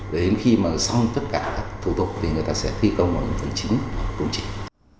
đến khi mà xong tất cả các thủ tục thì người ta sẽ thi công vào những phần chính công trình